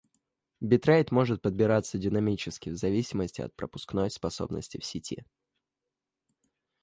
Битрейт может подбираться динамически в зависимости от пропускной способности сети